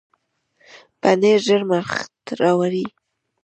پنېر ژر مړښت راولي.